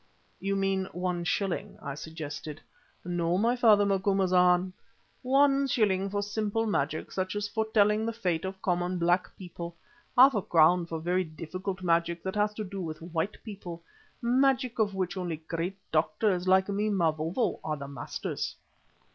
"You mean one shilling," I suggested. "No, my father Macumazana. One shilling for simple magic such as foretelling the fate of common black people. Half a crown for very difficult magic that has to do with white people, magic of which only great doctors, like me, Mavovo, are the masters."